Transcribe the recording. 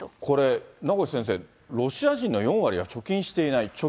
これ、名越先生、ロシア人の４割は貯金していない。